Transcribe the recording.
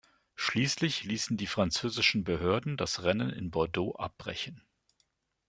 Schließlich ließen die französischen Behörden das Rennen in Bordeaux abbrechen.